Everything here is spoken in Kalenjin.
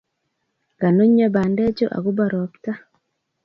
Kanunyo pandechu akopo ropta